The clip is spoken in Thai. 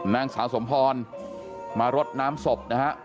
นางสาวสมพรมารดน้ำศพนะฮะ